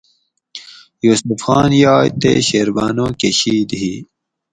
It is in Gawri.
یوسف خان یائے تے شیربانو کہ شِید ہی